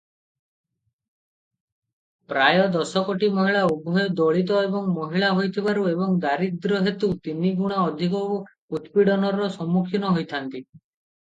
ପ୍ରାୟ ଦଶ କୋଟି ମହିଳା ଉଭୟ ଦଳିତ ଏବଂ ମହିଳା ହୋଇଥିବାରୁ ଏବଂ ଦାରିଦ୍ର୍ୟ ହେତୁ ତିନି ଗୁଣା ଅଧିକ ଉତ୍ପୀଡ଼ନର ସମ୍ମୁଖୀନ ହୋଇଥାନ୍ତି ।